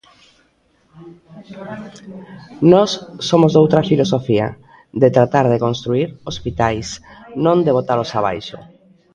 Nós somos doutra filosofía, de tratar de construír hospitais, non de botalos abaixo.